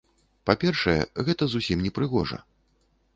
Па-першае, гэта зусім непрыгожа.